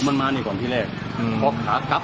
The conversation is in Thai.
โปรดติดตาม